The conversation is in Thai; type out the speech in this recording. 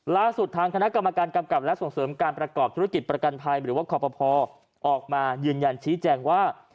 ทางคณะกรรมการกำกับและส่งเสริมการประกอบธุรกิจประกันภัยหรือว่าขอปภออกมายืนยันชี้แจงว่า